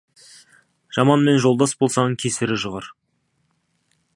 Жаманмен жолдас болсаң, кесірі жұғар.